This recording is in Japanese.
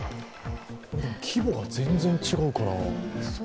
規模が全然違うから。